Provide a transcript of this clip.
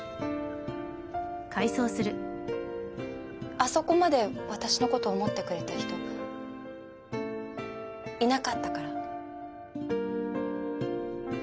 あそこまで私のこと思ってくれた人いなかったから。